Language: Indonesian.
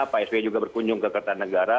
pak sby juga berkunjung ke kertanegara